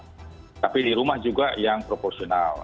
di rumah tapi di rumah juga yang proporsional